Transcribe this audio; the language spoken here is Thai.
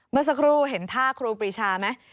เมื่อสักครู่เห็นท่าครูปรีชาไหม